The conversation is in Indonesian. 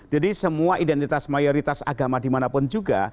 jadi semua identitas mayoritas agama dimanapun juga